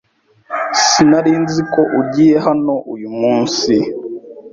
Sinari nzi ko ugiye hano uyu munsi